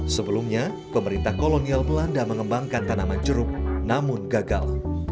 sebelumnya pemerintah kolonial belanda mengembangkan tanaman jeruk namun gagal